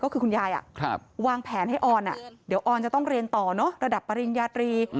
ก็คือคุณยายวางแผนให้ออนเดี๋ยวออนจะต้องเรียนต่อระดับปริญญาตรี